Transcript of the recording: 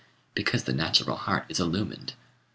Because the natural heart is illumined.